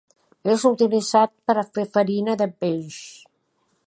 És utilitzat per a fer farina de peix.